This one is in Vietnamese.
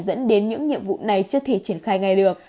dẫn đến những nhiệm vụ này chưa thể triển khai ngay được